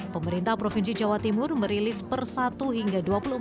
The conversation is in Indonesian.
pemerintah provinsi jawa timur merilis per satu hingga dua puluh empat jam